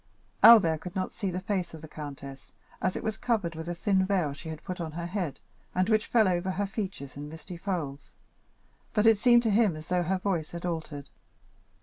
Albert could not see the face of the countess, as it was covered with a thin veil she had put on her head, and which fell over her features in misty folds, but it seemed to him as though her voice had altered.